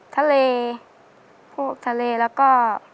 ทะเลพวกทะเลแล้วก็